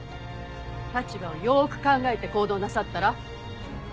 立場をよーく考えて行動なさったら？